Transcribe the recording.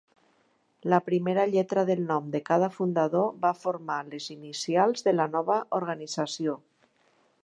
La primera lletra del nom de cada fundador va formar les inicials de la nova organització.